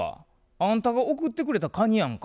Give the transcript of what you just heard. あんたが送ってくれたカニやんか」。